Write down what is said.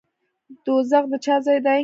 دوزخ د چا ځای دی؟